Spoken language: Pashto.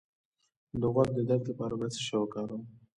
د غوږ د درد لپاره باید څه شی وکاروم؟